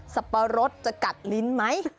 สับปะรดจะกัดลิ้นไหม